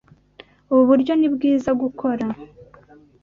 Ubu buryo ni bwiza gukora.